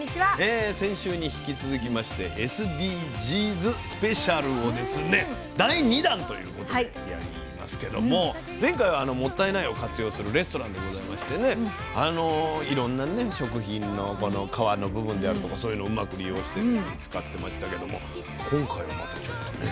先週に引き続きましてＳＤＧｓスペシャルをですね第２弾ということでやりますけども前回はもったいないを活用するレストランでございましてねいろんな食品の皮の部分であるとかそういうのをうまく利用して使ってましたけども今回はまたちょっとね。